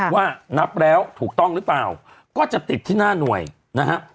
ว่านับแล้วถูกต้องหรือเปล่าก็จะติดที่หน้าหน่วยนะฮะ